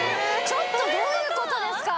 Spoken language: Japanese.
ちょっとどういうことですか！